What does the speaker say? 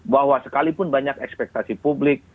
bahwa sekalipun banyak ekspektasi publik